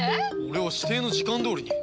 俺は指定の時間どおりに。